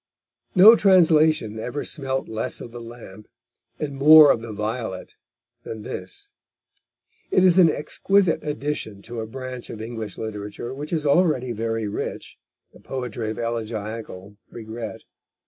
No translation ever smelt less of the lamp, and more of the violet than this. It is an exquisite addition to a branch of English literature, which is already very rich, the poetry of elegiacal regret.